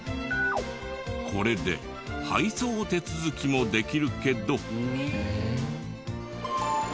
これで配送手続きもできるけど。